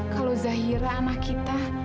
kalau zahira anak kita